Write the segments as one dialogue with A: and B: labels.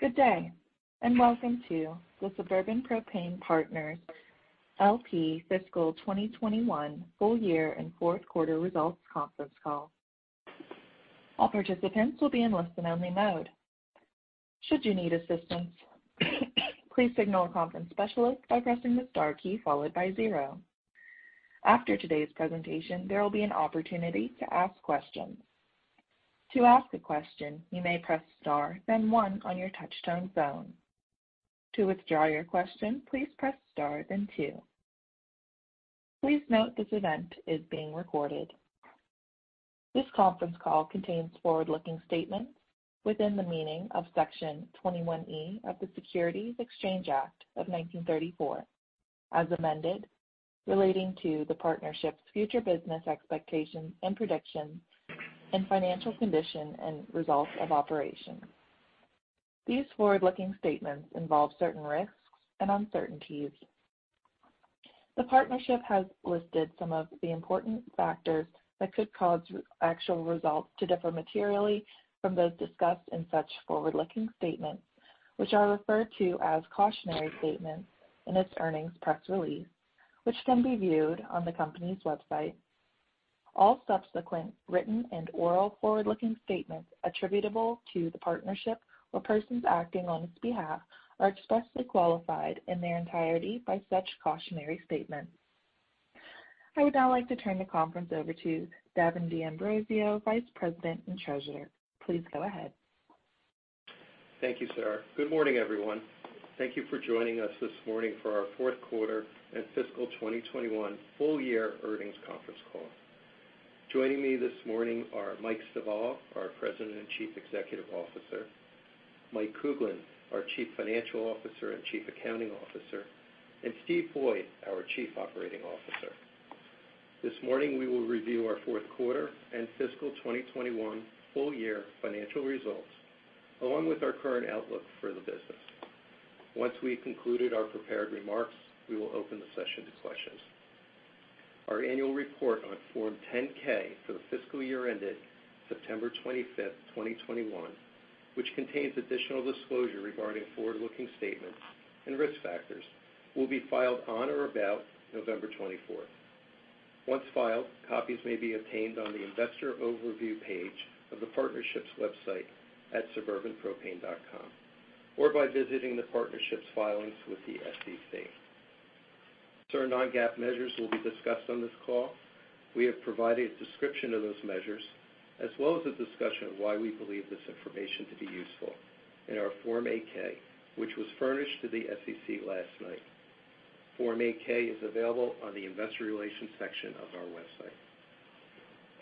A: Good day, and welcome to the Suburban Propane Partners, L.P. fiscal 2021 full year and fourth quarter results conference call. All participants will be in listen-only mode. Should you need assistance, please signal a conference specialist by pressing the star key followed by zero. After today's presentation, there will be an opportunity to ask questions. To ask a question, you may press star then one on your touch-tone phone. To withdraw your question, please press star then two. Please note this event is being recorded. This conference call contains forward-looking statements within the meaning of Section 21E of the Securities Exchange Act of 1934, as amended, relating to the partnership's future business expectations and predictions and financial condition and results of operations. These forward-looking statements involve certain risks and uncertainties. The partnership has listed some of the important factors that could cause actual results to differ materially from those discussed in such forward-looking statements, which are referred to as cautionary statements in its earnings press release, which can be viewed on the company's website. All subsequent written and oral forward-looking statements attributable to the partnership or persons acting on its behalf are expressly qualified in their entirety by such cautionary statements. I would now like to turn the conference over to A. Davin D'Ambrosio, Vice President and Treasurer. Please go ahead.
B: Thank you, sir. Good morning, everyone. Thank you for joining us this morning for our fourth quarter and fiscal 2021 full year earnings conference call. Joining me this morning are Mike Stivala, our President and Chief Executive Officer, Mike Kuglin, our Chief Financial Officer and Chief Accounting Officer, and Steve Boyd, our Chief Operating Officer. This morning, we will review our fourth quarter and fiscal 2021 full year financial results, along with our current outlook for the business. Once we concluded our prepared remarks, we will open the session to questions. Our annual report on Form 10-K for the fiscal year ended September 25, 2021, which contains additional disclosure regarding forward-looking statements and risk factors, will be filed on or about November 24. Once filed, copies may be obtained on the investor overview page of the partnership's website at suburbanpropane.com or by visiting the partnership's filings with the SEC. Certain non-GAAP measures will be discussed on this call. We have provided a description of those measures, as well as a discussion of why we believe this information to be useful in our Form 8-K, which was furnished to the SEC last night. Form 8-K is available on the investor relations section of our website.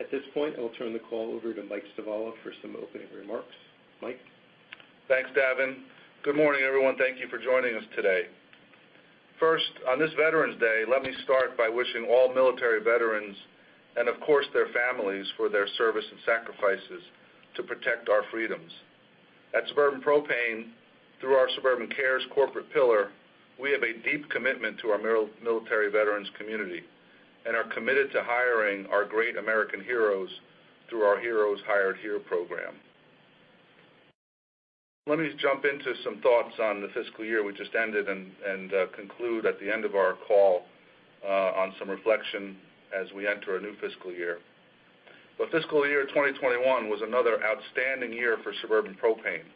B: At this point, I'll turn the call over to Mike Stivala for some opening remarks. Mike?
C: Thanks, Davin. Good morning, everyone. Thank you for joining us today. First, on this Veterans Day, let me start by wishing all military veterans, and of course their families for their service and sacrifices to protect our freedoms. At Suburban Propane, through our SuburbanCares corporate pillar, we have a deep commitment to our military veterans community and are committed to hiring our great American heroes through our Heroes Hired Here program. Let me jump into some thoughts on the fiscal year we just ended and conclude at the end of our call on some reflection as we enter a new fiscal year. The fiscal year 2021 was another outstanding year for Suburban Propane.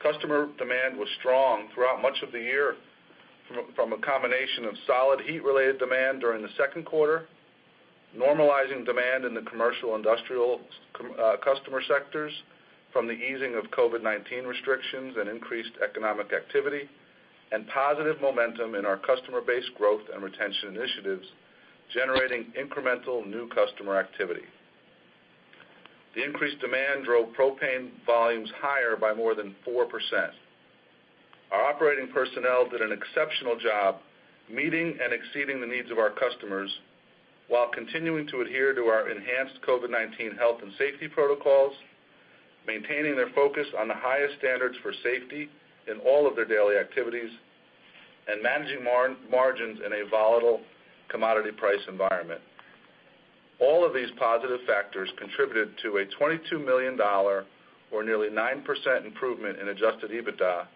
C: Customer demand was strong throughout much of the year from a combination of solid heat-related demand during the second quarter, normalizing demand in the commercial industrial customer sectors from the easing of COVID-19 restrictions and increased economic activity, and positive momentum in our customer base growth and retention initiatives, generating incremental new customer activity. The increased demand drove propane volumes higher by more than 4%. Our operating personnel did an exceptional job meeting and exceeding the needs of our customers while continuing to adhere to our enhanced COVID-19 health and safety protocols, maintaining their focus on the highest standards for safety in all of their daily activities, and managing margins in a volatile commodity price environment. All of these positive factors contributed to a $22 million or nearly 9% improvement in Adjusted EBITDA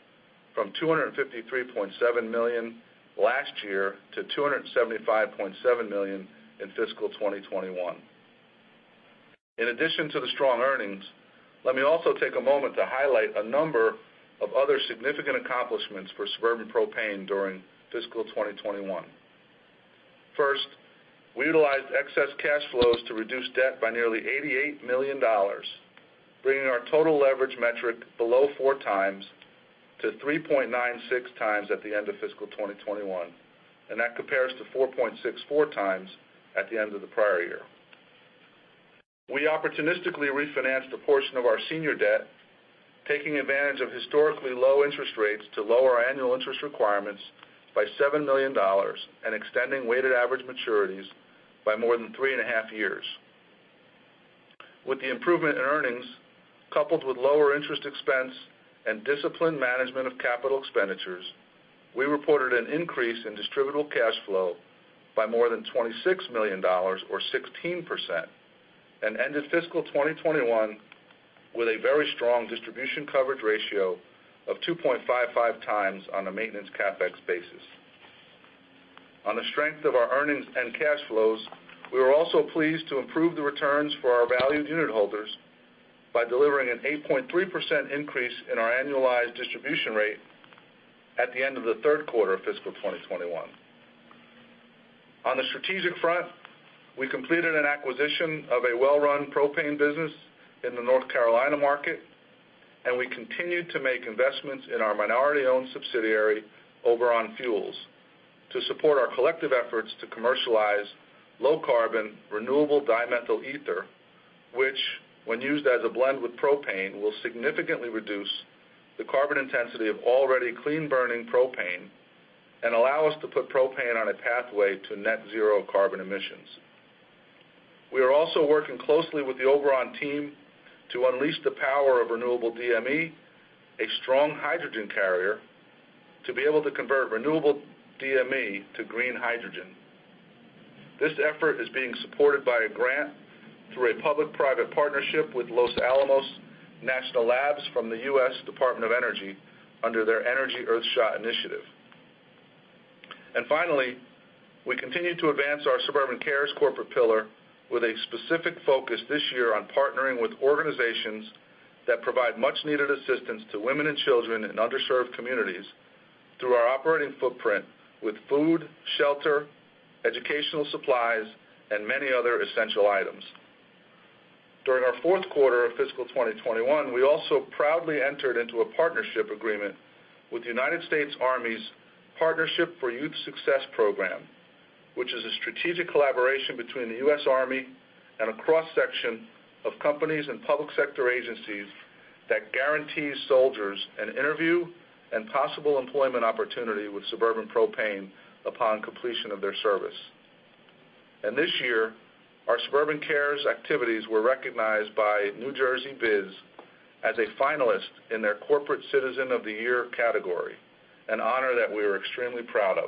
C: from $253.7 million last year to $275.7 million in fiscal 2021. In addition to the strong earnings, let me also take a moment to highlight a number of other significant accomplishments for Suburban Propane during fiscal 2021. First, we utilized excess cash flows to reduce debt by nearly $88 million, bringing our total leverage metric below 4x to 3.96x at the end of fiscal 2021, and that compares to 4.64x at the end of the prior year. We opportunistically refinanced a portion of our senior debt, taking advantage of historically low interest rates to lower our annual interest requirements by $7 million and extending weighted average maturities by more than 3.5 years. With the improvement in earnings, coupled with lower interest expense and disciplined management of capital expenditures, we reported an increase in distributable cash flow by more than $26 million or 16%. We ended fiscal 2021 with a very strong distribution coverage ratio of 2.55x on a maintenance CapEx basis. On the strength of our earnings and cash flows, we were also pleased to improve the returns for our valued unit holders by delivering an 8.3% increase in our annualized distribution rate at the end of the third quarter of fiscal 2021. On the strategic front, we completed an acquisition of a well-run propane business in the North Carolina market, and we continued to make investments in our minority-owned subsidiary, Oberon Fuels, to support our collective efforts to commercialize low carbon renewable dimethyl ether, which, when used as a blend with propane, will significantly reduce the carbon intensity of already clean burning propane and allow us to put propane on a pathway to net zero carbon emissions. We are also working closely with the Oberon team to unleash the power of renewable DME, a strong hydrogen carrier, to be able to convert renewable DME to green hydrogen. This effort is being supported by a grant through a public-private partnership with Los Alamos National Labs from the U.S. Department of Energy under their Energy Earthshots Initiative. Finally, we continue to advance our SuburbanCares corporate pillar with a specific focus this year on partnering with organizations that provide much-needed assistance to women and children in underserved communities through our operating footprint with food, shelter, educational supplies, and many other essential items. During our fourth quarter of fiscal 2021, we also proudly entered into a partnership agreement with the United States Army's Partnership for Youth Success program, which is a strategic collaboration between the U.S. Army and a cross-section of companies and public sector agencies that guarantees soldiers an interview and possible employment opportunity with Suburban Propane upon completion of their service. This year, our SuburbanCares activities were recognized by NJBiz as a finalist in their corporate citizen of the year category, an honor that we are extremely proud of.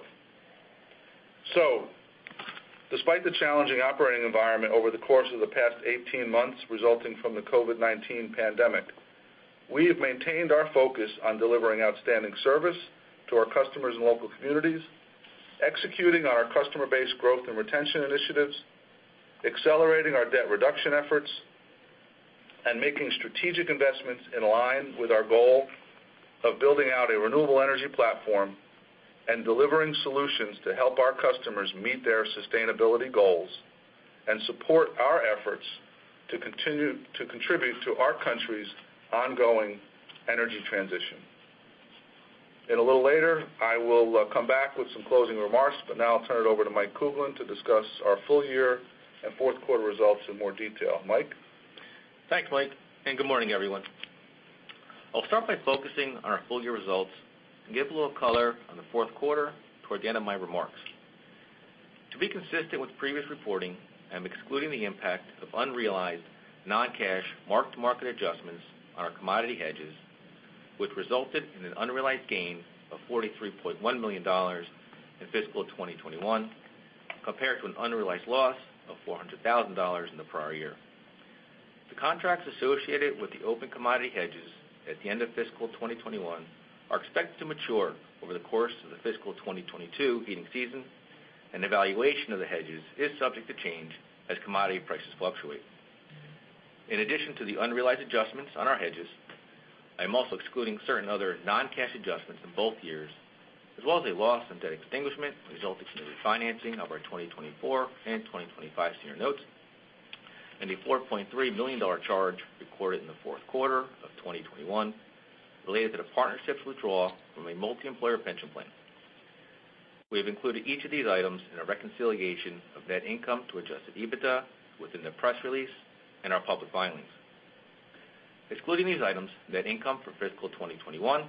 C: Despite the challenging operating environment over the course of the past 18 months resulting from the COVID-19 pandemic, we have maintained our focus on delivering outstanding service to our customers and local communities, executing on our customer base growth and retention initiatives, accelerating our debt reduction efforts, and making strategic investments in line with our goal of building out a renewable energy platform and delivering solutions to help our customers meet their sustainability goals and support our efforts to contribute to our country's ongoing energy transition. A little later, I will come back with some closing remarks, but now I'll turn it over to Mike Kuglin to discuss our full year and fourth quarter results in more detail. Mike?
D: Thanks, Mike, and good morning, everyone. I'll start by focusing on our full year results and give a little color on the fourth quarter toward the end of my remarks. To be consistent with previous reporting, I'm excluding the impact of unrealized non-cash mark-to-market adjustments on our commodity hedges, which resulted in an unrealized gain of $43.1 million in fiscal 2021 compared to an unrealized loss of $400,000 in the prior year. The contracts associated with the open commodity hedges at the end of fiscal 2021 are expected to mature over the course of the fiscal 2022 heating season, and the valuation of the hedges is subject to change as commodity prices fluctuate. In addition to the unrealized adjustments on our hedges, I'm also excluding certain other non-cash adjustments in both years, as well as a loss on debt extinguishment resulting from the refinancing of our 2024 and 2025 senior notes, and a $4.3 million charge recorded in the fourth quarter of 2021 related to the partnership's withdrawal from a multi-employer pension plan. We have included each of these items in a reconciliation of net income to Adjusted EBITDA within the press release and our public filings. Excluding these items, net income for fiscal 2021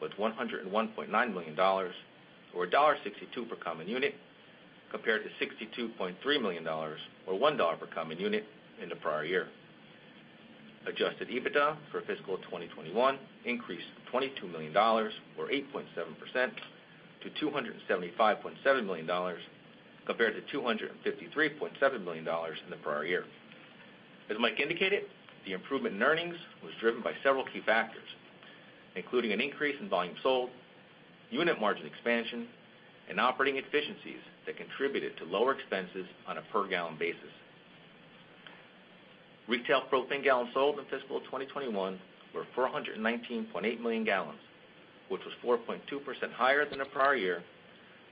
D: was $101.9 million, or $1.62 per common unit, compared to $62.3 million or $1 per common unit in the prior year. Adjusted EBITDA for fiscal 2021 increased by $22 million, or 8.7%, to $275.7 million compared to $253.7 million in the prior year. As Mike indicated, the improvement in earnings was driven by several key factors, including an increase in volume sold, unit margin expansion, and operating efficiencies that contributed to lower expenses on a per gallon basis. Retail propane gallons sold in fiscal 2021 were 419.8 million gallons, which was 4.2% higher than the prior year,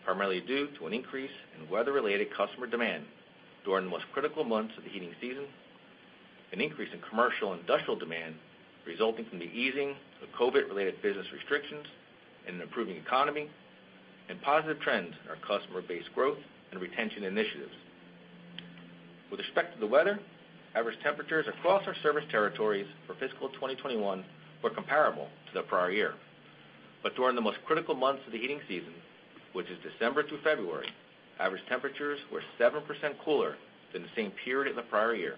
D: primarily due to an increase in weather-related customer demand during the most critical months of the heating season, an increase in commercial industrial demand resulting from the easing of COVID-related business restrictions and an improving economy, and positive trends in our customer base growth and retention initiatives. With respect to the weather, average temperatures across our service territories for fiscal 2021 were comparable to the prior year. During the most critical months of the heating season, which is December through February, average temperatures were 7% cooler than the same period in the prior year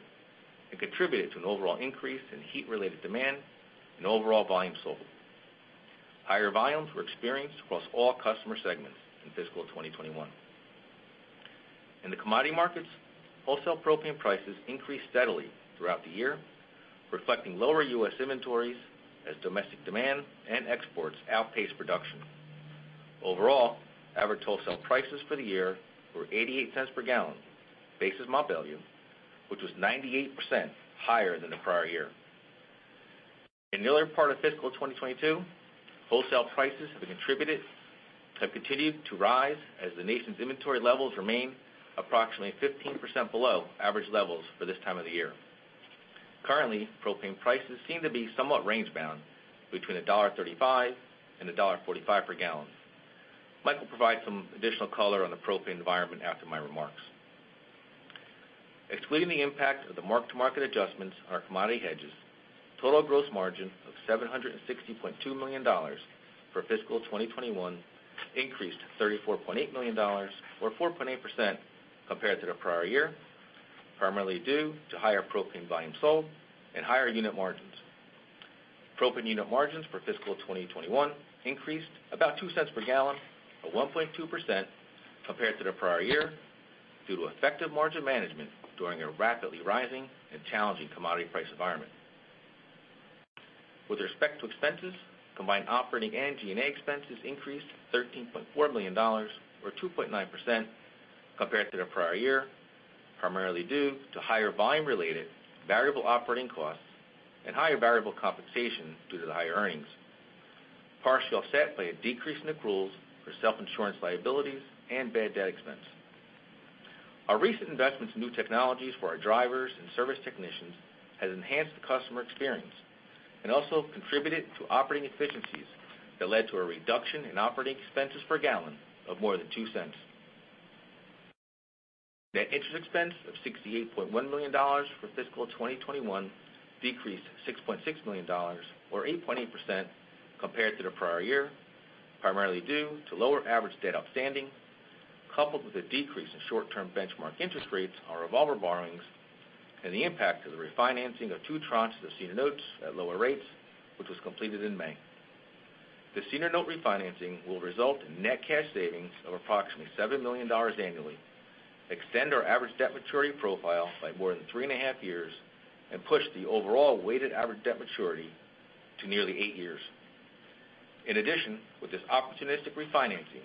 D: and contributed to an overall increase in heat-related demand and overall volume sold. Higher volumes were experienced across all customer segments in fiscal 2021. In the commodity markets, wholesale propane prices increased steadily throughout the year, reflecting lower U.S. inventories as domestic demand and exports outpaced production. Overall, average wholesale prices for the year were $0.88 per gallon, basis Mont Belvieu, which was 98% higher than the prior year. In the other part of fiscal 2022, wholesale prices have continued to rise as the nation's inventory levels remain approximately 15% below average levels for this time of the year. Currently, propane prices seem to be somewhat range-bound between $1.35 and $1.45 per gallon. Mike will provide some additional color on the propane environment after my remarks. Excluding the impact of the mark-to-market adjustments on our commodity hedges, total gross margin of $760.2 million for fiscal 2021 increased $34.8 million, or 4.8%, compared to the prior year, primarily due to higher propane volume sold and higher unit margins. Propane unit margins for fiscal 2021 increased about $0.02 per gallon at 1.2% compared to the prior year due to effective margin management during a rapidly rising and challenging commodity price environment. With respect to expenses, combined operating and G&A expenses increased $13.4 million or 2.9% compared to the prior year, primarily due to higher volume-related variable operating costs and higher variable compensation due to the higher earnings, partially offset by a decrease in accruals for self-insurance liabilities and bad debt expense. Our recent investments in new technologies for our drivers and service technicians has enhanced the customer experience and also contributed to operating efficiencies that led to a reduction in operating expenses per gallon of more than $0.02. Net interest expense of $68.1 million for fiscal 2021 decreased $6.6 million or 8.8% compared to the prior year, primarily due to lower average debt outstanding, coupled with a decrease in short-term benchmark interest rates on revolver borrowings and the impact of the refinancing of two tranches of senior notes at lower rates, which was completed in May. The senior note refinancing will result in net cash savings of approximately $7 million annually, extend our average debt maturity profile by more than 3.5 years, and push the overall weighted average debt maturity to nearly eight years. In addition, with this opportunistic refinancing,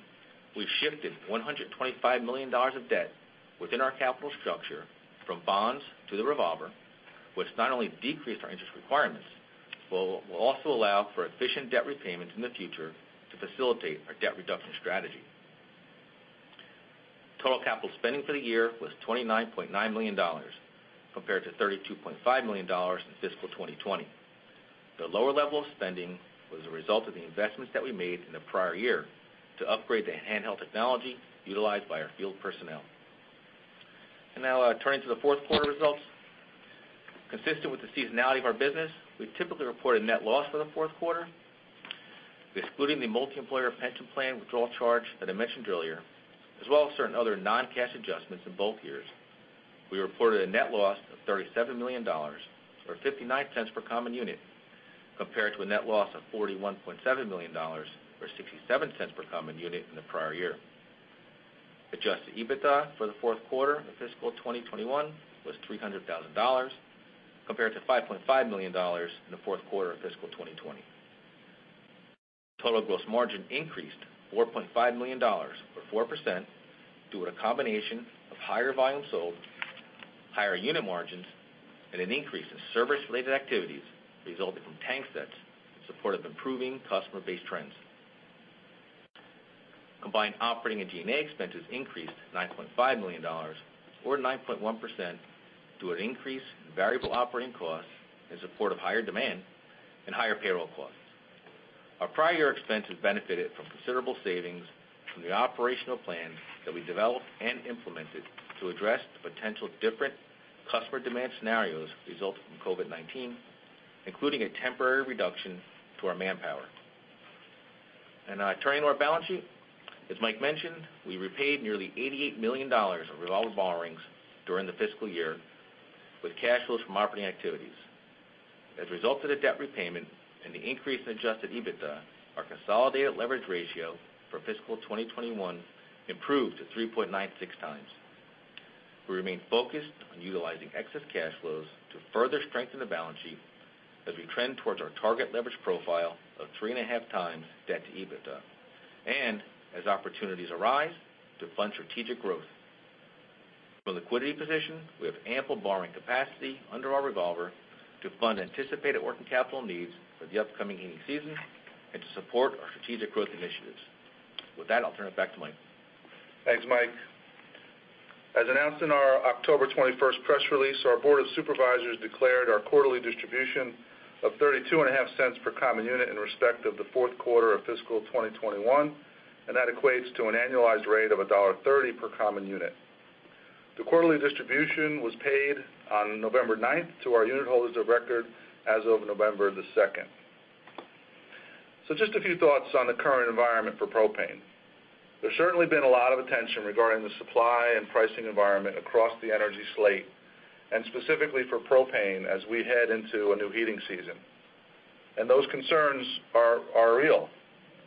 D: we've shifted $125 million of debt within our capital structure from bonds to the revolver, which not only decreased our interest requirements, but will also allow for efficient debt repayments in the future to facilitate our debt reduction strategy. Total capital spending for the year was $29.9 million compared to $32.5 million in fiscal 2020. The lower level of spending was a result of the investments that we made in the prior year to upgrade the handheld technology utilized by our field personnel. Now, turning to the fourth quarter results. Consistent with the seasonality of our business, we typically report a net loss for the fourth quarter. Excluding the multi-employer pension plan withdrawal charge that I mentioned earlier, as well as certain other non-cash adjustments in both years, we reported a net loss of $37 million or $0.59 per common unit, compared to a net loss of $41.7 million or $0.67 per common unit in the prior year. Adjusted EBITDA for the fourth quarter of fiscal 2021 was $300,000, compared to $5.5 million in the fourth quarter of fiscal 2020. Total gross margin increased $4.5 million or 4% due to a combination of higher volumes sold, higher unit margins, and an increase in service-related activities resulting from tank sets in support of improving customer base trends. Combined operating and G&A expenses increased $9.5 million or 9.1% due to an increase in variable operating costs in support of higher demand and higher payroll costs. Our prior year expenses benefited from considerable savings from the operational plan that we developed and implemented to address the potential different customer demand scenarios resulting from COVID-19, including a temporary reduction to our manpower. Turning to our balance sheet. As Mike mentioned, we repaid nearly $88 million of revolver borrowings during the fiscal year with cash flows from operating activities. As a result of the debt repayment and the increase in adjusted EBITDA, our consolidated leverage ratio for fiscal 2021 improved to 3.96x. We remain focused on utilizing excess cash flows to further strengthen the balance sheet as we trend towards our target leverage profile of 3.5x debt to EBITDA, and as opportunities arise to fund strategic growth. For liquidity position, we have ample borrowing capacity under our revolver to fund anticipated working capital needs for the upcoming heating season and to support our strategic growth initiatives. With that, I'll turn it back to Mike.
C: Thanks, Mike. As announced in our October 21 press release, our board of supervisors declared our quarterly distribution of $0.325 per common unit in respect of the fourth quarter of fiscal 2021, and that equates to an annualized rate of $1.30 per common unit. The quarterly distribution was paid on November 9 to our unit holders of record as of November 2. Just a few thoughts on the current environment for propane. There's certainly been a lot of attention regarding the supply and pricing environment across the energy slate, and specifically for propane as we head into a new heating season. Those concerns are real.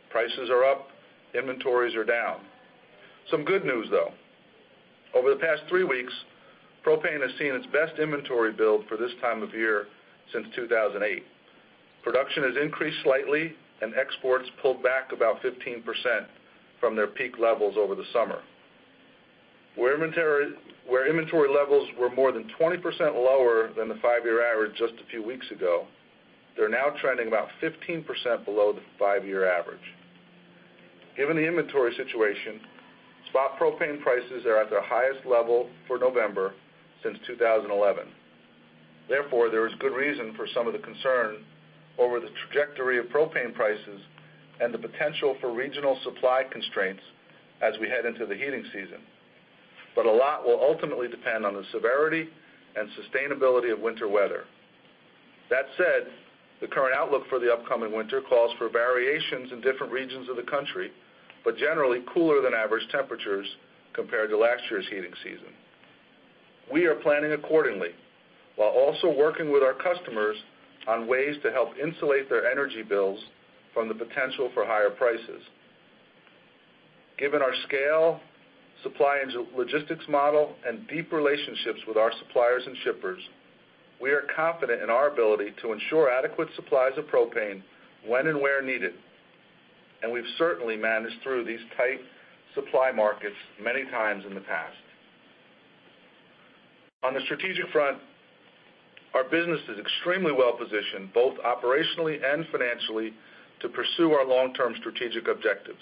C: Prices are up, inventories are down. Some good news, though. Over the past three weeks, propane has seen its best inventory build for this time of year since 2008. Production has increased slightly, and exports pulled back about 15% from their peak levels over the summer. Inventory levels were more than 20% lower than the five-year average just a few weeks ago. They're now trending about 15% below the five-year average. Given the inventory situation, spot propane prices are at their highest level for November since 2011. Therefore, there is good reason for some of the concern over the trajectory of propane prices and the potential for regional supply constraints as we head into the heating season. A lot will ultimately depend on the severity and sustainability of winter weather. That said, the current outlook for the upcoming winter calls for variations in different regions of the country, but generally cooler than average temperatures compared to last year's heating season. We are planning accordingly, while also working with our customers on ways to help insulate their energy bills from the potential for higher prices. Given our scale, supply and logistics model, and deep relationships with our suppliers and shippers, we are confident in our ability to ensure adequate supplies of propane when and where needed, and we've certainly managed through these tight supply markets many times in the past. On the strategic front, our business is extremely well-positioned, both operationally and financially, to pursue our long-term strategic objectives.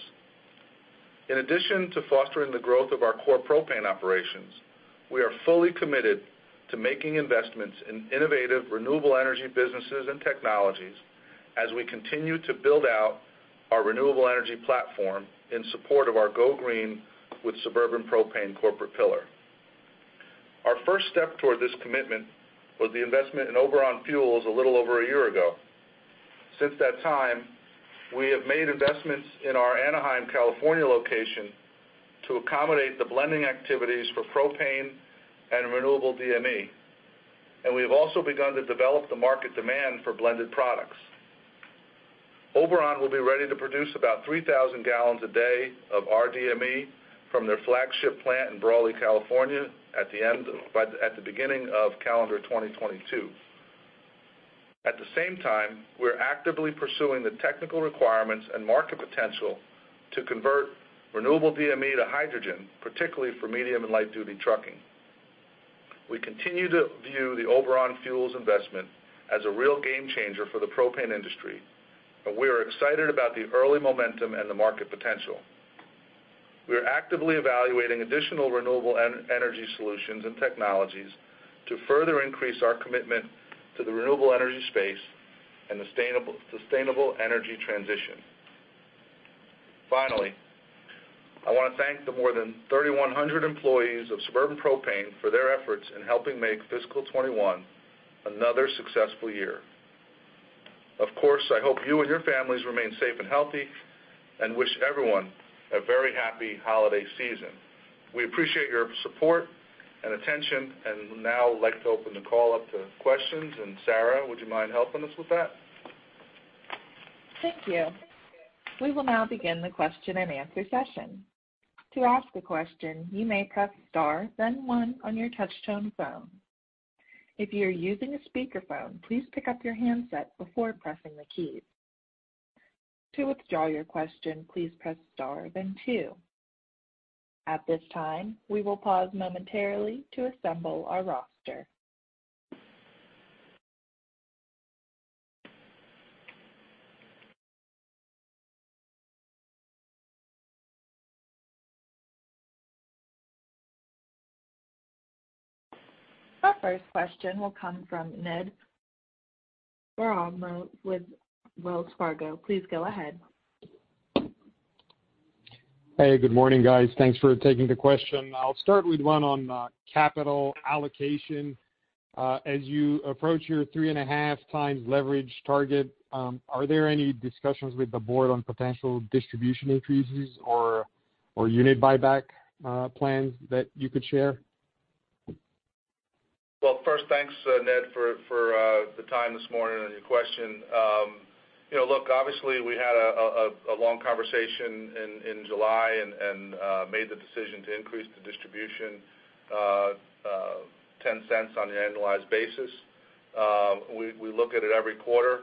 C: In addition to fostering the growth of our core propane operations, we are fully committed to making investments in innovative, renewable energy businesses and technologies as we continue to build out our renewable energy platform in support of our Go Green with Suburban Propane corporate pillar. Our first step toward this commitment was the investment in Oberon Fuels a little over a year ago. Since that time, we have made investments in our Anaheim, California location to accommodate the blending activities for propane and renewable DME. We have also begun to develop the market demand for blended products. Oberon will be ready to produce about 3,000 gallons a day of RDME from their flagship plant in Brawley, California at the beginning of calendar 2022. At the same time, we're actively pursuing the technical requirements and market potential to convert renewable DME to hydrogen, particularly for medium and light-duty trucking. We continue to view the Oberon Fuels investment as a real game changer for the propane industry, and we are excited about the early momentum and the market potential. We are actively evaluating additional renewable energy solutions and technologies to further increase our commitment to the renewable energy space and sustainable energy transition. Finally, I wanna thank the more than 3,100 employees of Suburban Propane for their efforts in helping make fiscal 2021 another successful year. Of course, I hope you and your families remain safe and healthy, and wish everyone a very happy holiday season. We appreciate your support and attention, and now like to open the call up to questions. Sarah, would you mind helping us with that?
A: Thank you. We will now begin the question-and-answer session. To ask a question, you may press star then one on your touchtone phone. If you are using a speakerphone, please pick up your handset before pressing the keys. To withdraw your question, please press star then two. At this time, we will pause momentarily to assemble our roster. Our first question will come from Ned Baramov with Wells Fargo. Please go ahead.
E: Hey, good morning, guys. Thanks for taking the question. I'll start with one on capital allocation. As you approach your 3.5x leverage target, are there any discussions with the board on potential distribution increases or unit buyback plans that you could share?
C: Well, first, thanks, Ned for the time this morning and your question. You know, look, obviously we had a long conversation in July and made the decision to increase the distribution $0.10 on the annualized basis. We look at it every quarter.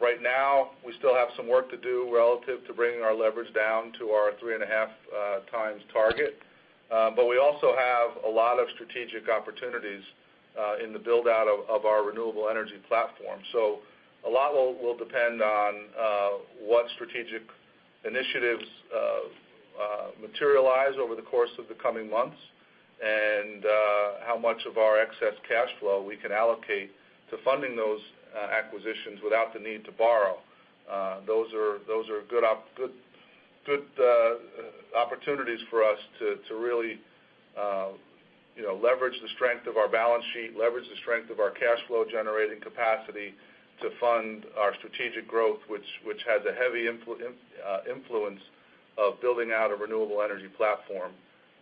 C: Right now, we still have some work to do relative to bringing our leverage down to our 3.5x target. We also have a lot of strategic opportunities in the build-out of our renewable energy platform. A lot will depend on what strategic initiatives materialize over the course of the coming months and how much of our excess cash flow we can allocate to funding those acquisitions without the need to borrow. Those are good opportunities for us to really, you know, leverage the strength of our balance sheet, leverage the strength of our cash flow-generating capacity to fund our strategic growth, which has a heavy influence of building out a renewable energy platform.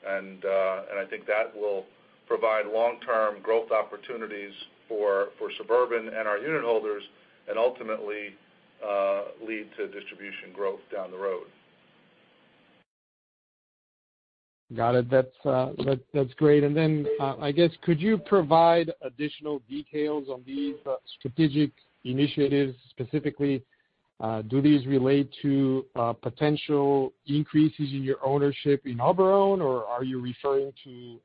C: I think that will provide long-term growth opportunities for Suburban and our unit holders and ultimately lead to distribution growth down the road.
E: Got it. That's great. I guess, could you provide additional details on these strategic initiatives? Specifically, do these relate to potential increases in your ownership in Oberon, or are you referring to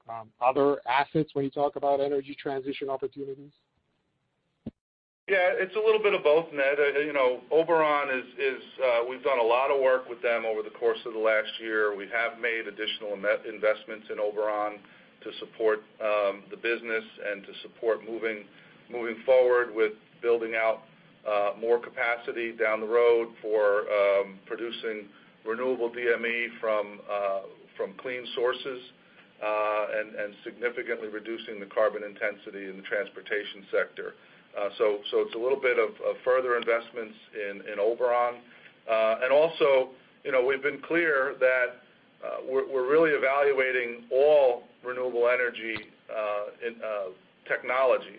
E: other assets when you talk about energy transition opportunities?
C: Yeah, it's a little bit of both, Ned. You know, Oberon, we've done a lot of work with them over the course of the last year. We have made additional investments in Oberon to support the business and to support moving forward with building out more capacity down the road for producing renewable DME from clean sources and significantly reducing the carbon intensity in the transportation sector. It's a little bit of further investments in Oberon. Also, you know, we've been clear that we're really evaluating all renewable energy technologies.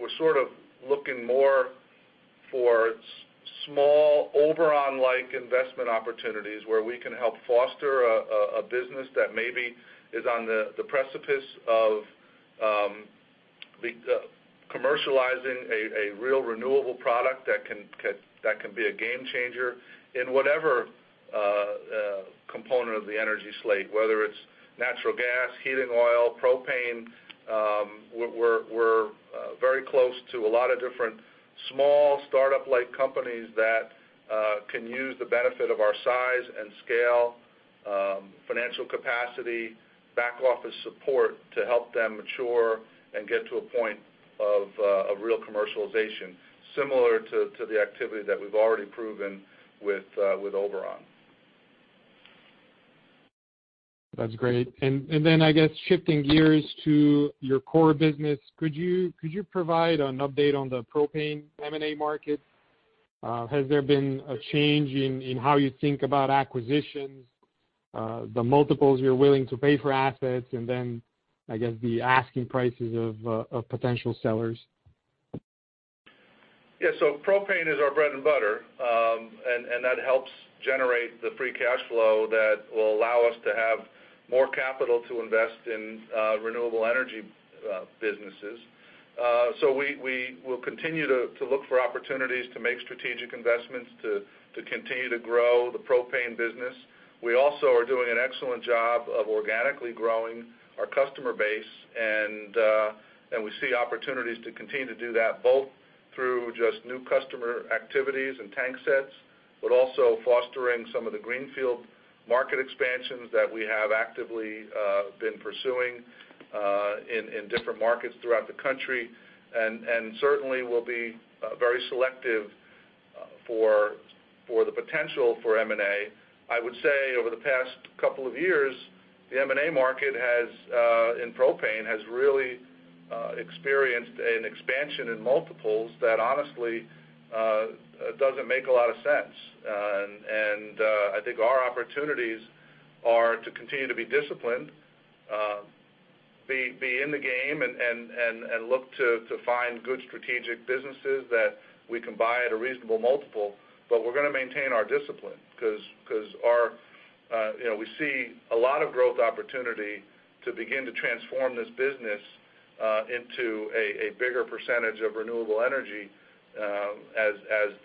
C: We're sort of looking more for small Oberon-like investment opportunities where we can help foster a business that maybe is on the precipice of commercializing a real renewable product that can be a game changer in whatever component of the energy slate, whether it's natural gas, heating oil, propane. We're very close to a lot of different small startup-like companies that can use the benefit of our size and scale, financial capacity, back office support to help them mature and get to a point of real commercialization, similar to the activity that we've already proven with Oberon.
E: That's great. I guess shifting gears to your core business. Could you provide an update on the propane M&A market? Has there been a change in how you think about acquisitions, the multiples you're willing to pay for assets, and then I guess the asking prices of potential sellers?
C: Yeah. Propane is our bread and butter, and that helps generate the free cash flow that will allow us to have more capital to invest in renewable energy businesses. We will continue to look for opportunities to make strategic investments to continue to grow the propane business. We also are doing an excellent job of organically growing our customer base, and we see opportunities to continue to do that, both through just new customer activities and tank sets, but also fostering some of the greenfield market expansions that we have actively been pursuing in different markets throughout the country, and certainly will be very selective for the potential for M&A. I would say over the past couple of years, the M&A market has in propane really experienced an expansion in multiples that honestly doesn't make a lot of sense. I think our opportunities are to continue to be disciplined, be in the game and look to find good strategic businesses that we can buy at a reasonable multiple. We're gonna maintain our discipline 'cause you know, we see a lot of growth opportunity to begin to transform this business into a bigger percentage of renewable energy, as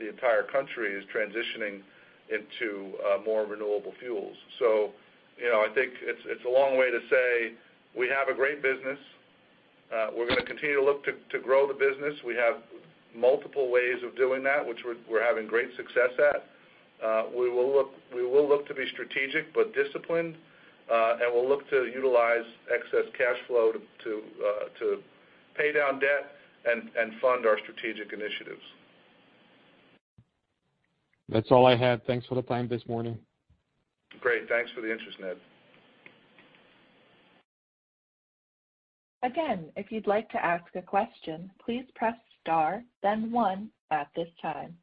C: the entire country is transitioning into more renewable fuels. You know, I think it's a long way to say we have a great business. We're gonna continue to look to grow the business. We have multiple ways of doing that, which we're having great success at. We will look to be strategic but disciplined, and we'll look to utilize excess cash flow to pay down debt and fund our strategic initiatives.
E: That's all I have. Thanks for the time this morning.
C: Great. Thanks for the interest, Ned.
A: Again, if you'd like to ask a question, please press star then one at this time.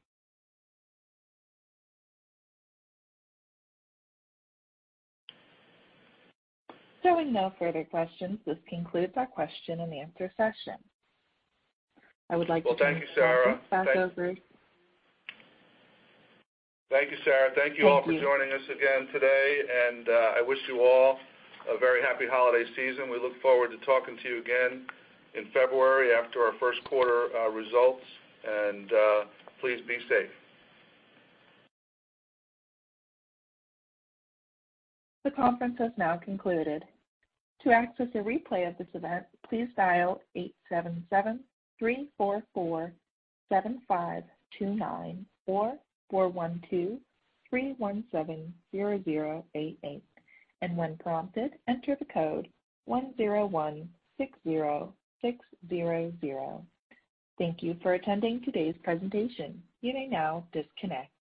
A: Seeing no further questions, this concludes our question and answer session. I would like to.
C: Well, thank you, Sarah.
A: Back over.
C: Thank you, Sarah.
A: Thank you.
C: Thank you all for joining us again today, and I wish you all a very happy holiday season. We look forward to talking to you again in February after our first quarter results. Please be safe.
A: The conference has now concluded. To access a replay of this event, please dial 877-344-7529 or 412-317-0088. When prompted, enter the code 10160600. Thank you for attending today's presentation. You may now disconnect.